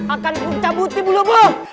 akan aku cabutkan bulubu